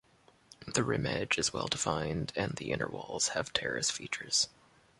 The rim edge is well-defined and the inner walls have terrace features.